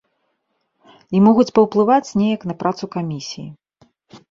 І могуць паўплываць неяк на працу камісіі.